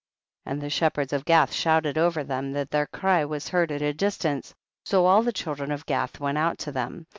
9. And the shepherds of Gath shout ed over them that their cry was heard at a distance, so all the children of Gath went out to them.